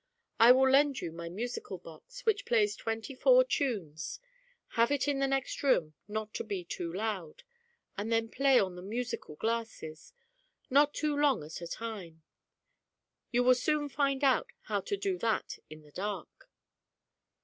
I will lend you my musical box, which plays twenty four tunes: have it in the next room, not to be too loud. And then play on the musical glasses, not too long at a time: you will soon find out how to do that in the dark."